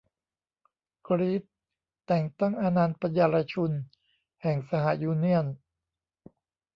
กรี๊ด แต่งตั้ง อานันน์ ปันยารชุน แห่งสหยูเนี่ยน